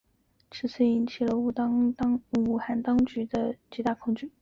此次事件引起了武汉当局的极大恐慌。